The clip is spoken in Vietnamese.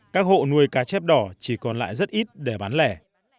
các hộ nuôi cá chép đỏ chỉ còn lại rất ít để bán lẻ